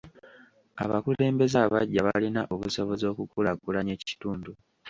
Abakulembeze abaggya balina obusobozi okukulaakulanya ekitundu.